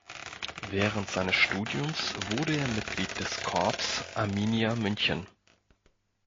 Während seines Studiums wurde er Mitglied des Corps Arminia München.